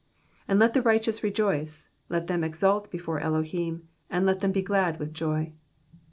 4 And let the righteous rejoice, let them exult before Elohim, And let them be glad with joy.